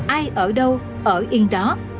ai ở đâu ở yên đó